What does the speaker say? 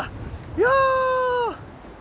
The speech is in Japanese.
いや。